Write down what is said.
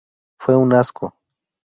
Fue un asco.